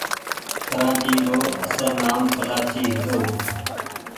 ڪرآچي رو اسل نآم ڪلآچي هيتو۔